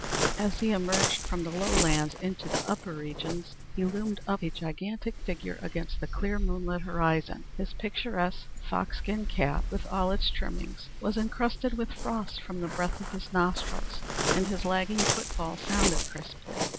As he emerged from the lowlands into the upper regions, he loomed up a gigantic figure against the clear, moonlit horizon. His picturesque foxskin cap with all its trimmings was incrusted with frost from the breath of his nostrils, and his lagging footfall sounded crisply.